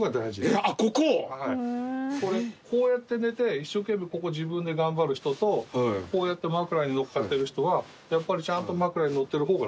こうやって寝て一生懸命ここ自分で頑張る人とこうやって枕に乗っかってる人はやっぱりちゃんと枕に乗ってる方が楽。